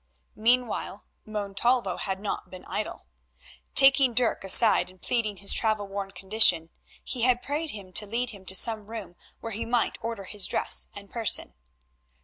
Meanwhile Montalvo had not been idle. Taking Dirk aside, and pleading his travel worn condition, he had prayed him to lead him to some room where he might order his dress and person.